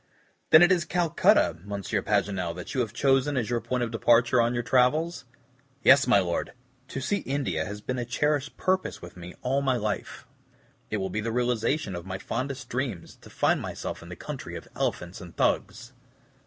"Then it is Calcutta, M. Paganel, that you have chosen as your point of departure on your travels?" "Yes, my Lord, to see India has been a cherished purpose with me all my life. It will be the realization of my fondest dreams, to find myself in the country of elephants and Thugs."